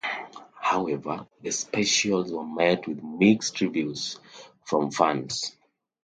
However, the specials were met with mixed reviews from fans.